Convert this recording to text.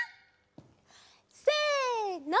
せの！